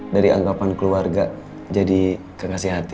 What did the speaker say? dari anggapan keluarga jadi kekasih hati